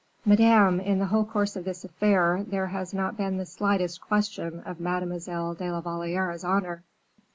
"Madame, in the whole course of this affair there has not been the slightest question of Mademoiselle de la Valliere's honor."